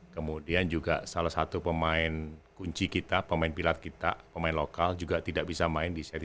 kemudian juga salah satu pemain kunci kita pemain pilot kita pemain lokal juga tidak bisa main di set tiga